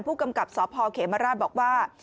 ผู้กำกับสพเขมราชบอกว่า